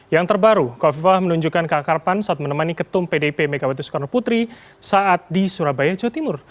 yang terbaru kofifa menunjukkan keakarpan saat menemani ketum pdip mekabatis kornoputri saat di surabaya jawa timur